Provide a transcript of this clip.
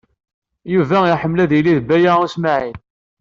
Yuba iḥemmel ad yili d Baya U Smaɛil.